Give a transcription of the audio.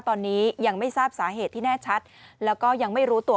ตอนนี้ยังไม่ทราบสาเหตุที่แน่ชัดแล้วก็ยังไม่รู้ตัว